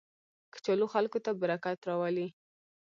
کچالو خلکو ته برکت راولي